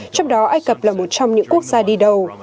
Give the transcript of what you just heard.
trong đó ai cập là một trong những quốc gia đi đầu